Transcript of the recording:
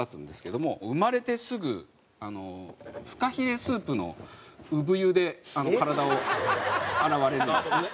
生まれてすぐフカヒレスープの産湯で体を洗われるんですね。